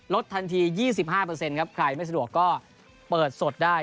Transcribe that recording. ลดทันที๒๕ครับใครไม่สะดวกก็เปิดสดได้